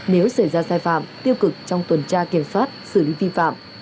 nếu xảy ra sai phạm tiêu cực trong tuần tra kiểm soát xử lý vi phạm